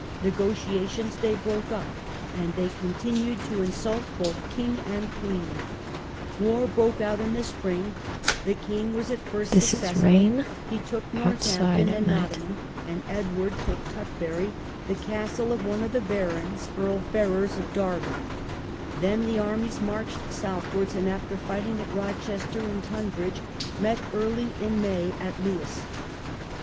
Negotiations they broke up, and they con tinued to insult both king and queen. War London broke out in the spring. The king was at and the first successful. He took Northampton and *>»'*>'*•• Nottingham, and Edward took Tutbury, the castle of one 74 ENGLAND UNDER THE ANGEVINS. THE BATTLE OF LEWES. 75 of the barons, Earl Ferrers of Derby. Then the armies marched southwards, and after fighting at Rochester and Tunbridge, met early in May at Lewes.